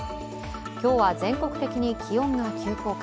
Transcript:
今日は全国的に気温が急降下。